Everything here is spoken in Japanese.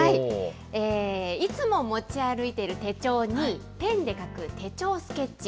いつも持ち歩いている手帳にペンで描く手帳スケッチ。